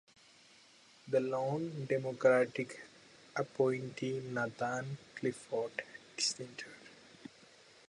The lone Democratic appointee Nathan Clifford dissented.